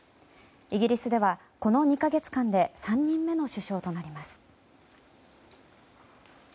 イギリスでは、この２か月間で３人目の首相となります。